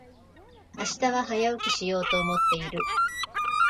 明日は早起きしようと思っている。